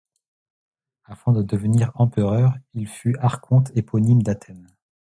Avant de devenir empereur, il fut archonte éponyme d'Athènes.